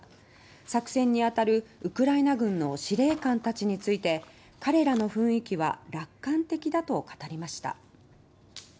作戦に当たるウクライナ軍の司令官たちについて彼らの雰囲気は楽観的だと語りました。